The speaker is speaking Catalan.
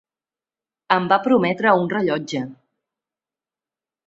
Em va prometre un rellotge.